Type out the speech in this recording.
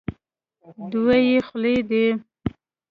دوه یې خولې دي.